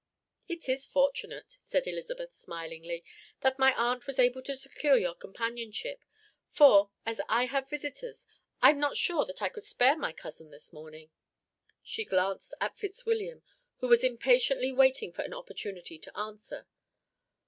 "It is fortunate," said Elizabeth smilingly, "that my aunt was able to secure your companionship; for, as I have visitors, I am not sure that I could spare my cousin this morning." She glanced at Fitzwilliam, who was impatiently waiting for an opportunity to answer.